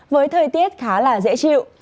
với thời tiết khá là dễ chịu